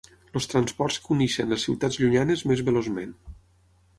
Els transports que uneixen les ciutats llunyanes més veloçment.